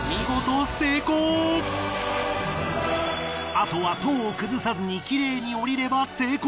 あとは塔を崩さずにきれいに降りれば成功！